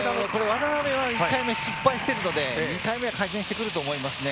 渡部は、１回目失敗してるので、２回目は改善してくると思いますね。